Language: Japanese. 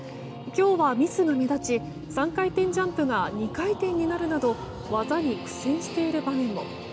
今日はミスが目立ち３回転ジャンプが２回転になるなど技に苦戦している場面も。